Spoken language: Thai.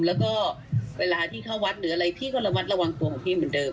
แล้วก็เวลาที่เข้าวัดหรืออะไรพี่ก็ระมัดระวังตัวของพี่เหมือนเดิม